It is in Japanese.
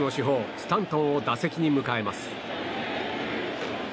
スタントンを打席に迎えます。